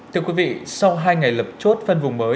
thưa quý vị sau hai ngày lập chốt phân vùng mới